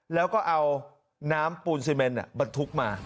แล้วก็เอาน้ำปูนซีเมนบรรทุกมา